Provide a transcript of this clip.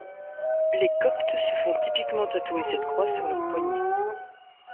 Les Coptes se font typiquement tatouer cette croix sur leur poignet.